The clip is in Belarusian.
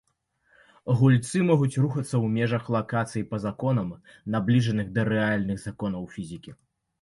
Гульцы могуць рухацца ў межах лакацыі па законам, набліжаным да рэальных законаў фізікі.